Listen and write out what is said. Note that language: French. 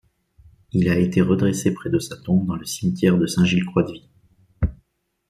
Il a été redressé près de sa tombe dans le cimetière de Saint-Gilles-Croix-de-Vie.